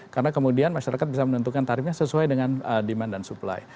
karena kemudian masyarakat bisa menentukan tarifnya sesuai dengan demand dan supply